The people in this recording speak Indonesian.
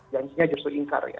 janjinya justru ingkar ya